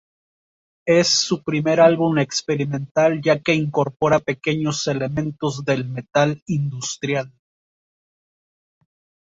Es su primer álbum experimental, ya que incorpora pequeños elementos del "metal" industrial.